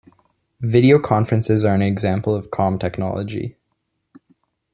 Video conferences are an example of calm technology.